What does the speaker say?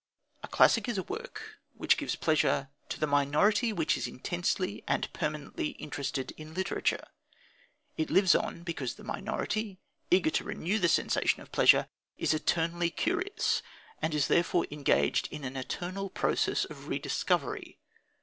A classic is a work which gives pleasure to the minority which is intensely and permanently interested in literature. It lives on because the minority, eager to renew the sensation of pleasure, is eternally curious and is therefore engaged in an eternal process of rediscovery.